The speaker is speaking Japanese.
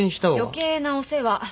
余計なお世話。